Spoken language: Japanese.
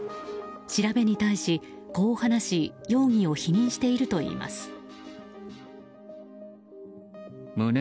調べに対し、こう話し容疑を否認しているといいます。